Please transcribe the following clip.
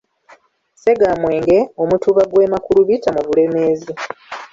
Ssegaamwenge, Omutuba gw'e Makulubita mu Bulemeezi.